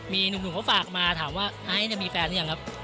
มีหนุ่มเขาฝากมาถามว่าไอซ์มีแฟนหรือยังครับ